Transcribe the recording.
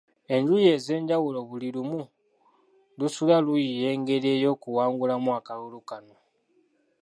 Enjuyi ez'enjawulo buli lumu lusula luyiiya engeri ey'okuwangulamu akalulu kano.